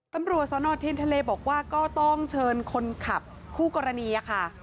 ตำรวจสนเทียนทะเลบอกว่าก็ต้องเชิญคนขับคู่กรณีค่ะ